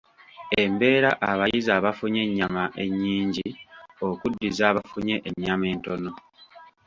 Embeera abayizzi abafunye ennyama enyingi okuddiza abafunye enyama entono.